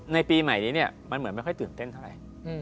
ในปีใหม่นี้มันเหมือนไม่ค่อยตื่นเต้นอะไร